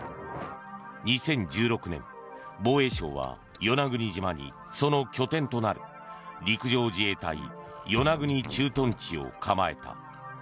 ２０１６年、防衛省は与那国島にその拠点となる、陸上自衛隊与那国駐屯地を構えた。